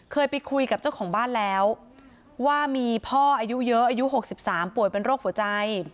เคยไปคุยกับเจ้าของบ้านแล้วว่ามีพ่ออายุเยอะอายุ๖๓ป่วยเป็นโรคหัวใจ